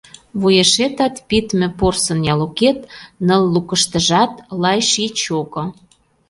Вуешетат пидме порсын ялукет — Ныл лукыштыжат-лай ший чоко.